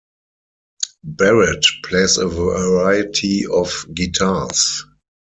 Barrett plays a variety of guitars.